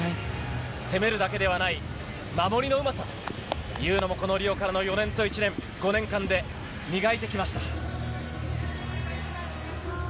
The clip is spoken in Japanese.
攻めるだけではない守りのうまさというのもリオからの４年と１年５年間で磨いてきました。